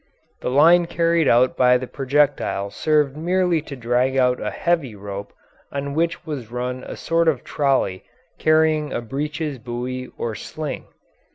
The line carried out by the projectile served merely to drag out a heavy rope on which was run a sort of trolley carrying a breeches buoy or sling.